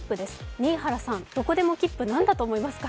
新原さん、どこでもきっぷ、何だと思いますか？